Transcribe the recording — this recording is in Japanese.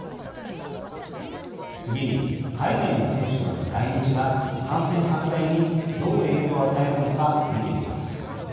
次に海外の選手らの来日が感染拡大にどう影響を与えるのか見てみます。